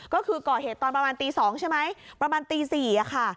ก็คือก่อเหตุตอนประมาณตี๒ใช่ไหมประมาณตี๔ค่ะ